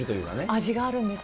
味があるんですね。